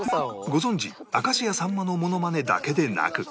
ご存じ明石家さんまのモノマネだけでなく